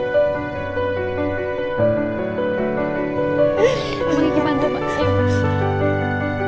biar kiki bantu mbak siap